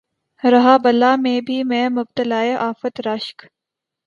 رہا بلا میں بھی میں مبتلائے آفت رشک